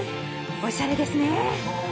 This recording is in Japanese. おしゃれですね。